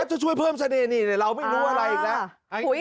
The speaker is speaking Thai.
จะช่วยเพิ่มเสน่ห์นี่เราไม่รู้อะไรอีกแล้ว